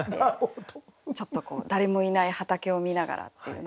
ちょっと誰もいない畑を見ながらっていう。